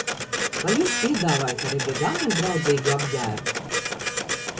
Vai jūs piedāvājat arī vegāniem draudzīgu apģērbu?